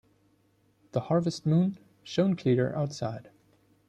The harvest moon shone clear outside.